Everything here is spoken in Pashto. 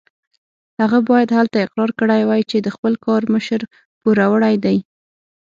هغه باید هلته اقرار کړی وای چې د خپل کار مشر پوروړی دی.